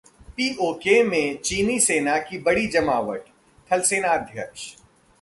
PoK में चीनी सेना की बड़ी जमावट: थलसेनाध्यक्ष